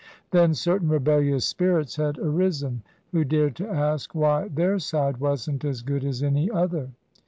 Then certain rebellious spirits had arisen, who dared to ask why their side wasn't as good as any other?